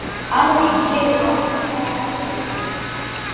Амаҭәа бзиа злаасхәо аԥара ҳазҭагәышьода.